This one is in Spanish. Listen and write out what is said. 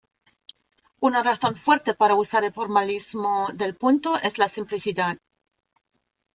Una razón fuerte para usar el formalismo del punto es la simplicidad.